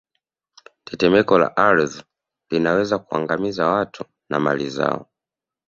Tetemeko la ardhi linaweza kuangamiza watu na mali zao